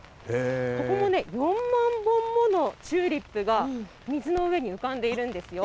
ここも４万本ものチューリップが、水の上に浮かんでいるんですよ。